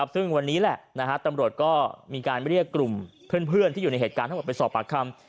ซึ่งวันนี้แหละตำรวจก็มีการเรียกกลุ่มเพื่อนที่อยู่ในเหตุการณ์ทั้งหมดไปสอบปากคำ